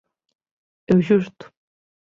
É o xusto.